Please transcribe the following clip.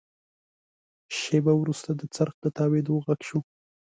شېبه وروسته د څرخ د تاوېدو غږ شو.